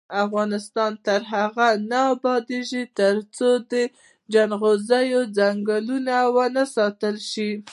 افغانستان تر هغو نه ابادیږي، ترڅو د جلغوزو ځنګلونه وساتل نشي.